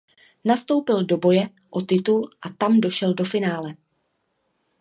Postoupil do boje o titul a tam došel do finále.